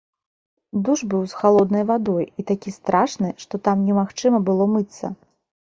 Душ быў з халоднай вадой і такі страшны, што там немагчыма было мыцца.